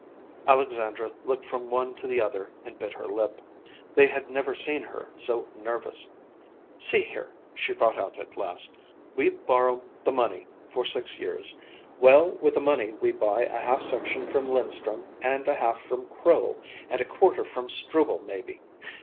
Alexandra looked from one to the other and bit her lip. They had never seen her so nervous. "See here," she brought out at last. "We borrow the money for six years. Well, with the money we buy a half section from Linstrum and a half from Crow, and a quarter from Struble, maybe.